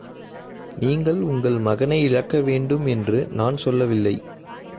நீங்கள் உங்கள் மகனை இழக்க வேண்டும் என்று நான் சொல்லவில்லை.